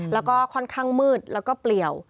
แล้วก็ค่อนข้างมืดแล้วก็เปลี่ยว